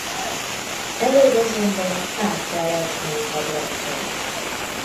Előbb azonban át kell esniük a drafton.